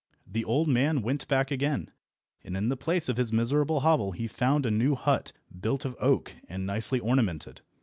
The old man went back again, and in the place of his miserable hovel he found a new hut built of oak and nicely ornamented.